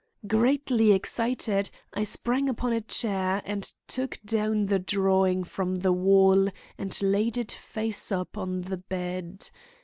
Greatly excited, I sprang upon a chair, took down the drawing from the wall and laid it face up on the bed.